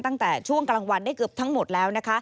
ตั้งแต่ช่วงกลางวันได้เกือบทั้งหมดแล้วนะคะ